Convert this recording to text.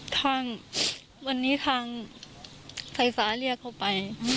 ทางวันนี้ทางไฟฟ้าเรียกเขาไป